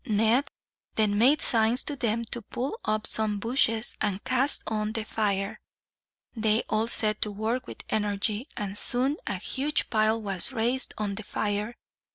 Ned then made signs to them to pull up some bushes, and cast on the fire. They all set to work with energy, and soon a huge pile was raised on the fire.